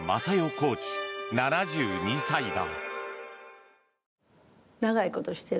コーチ、７２歳だ。